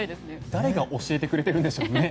誰が教えてくれるんでしょうね。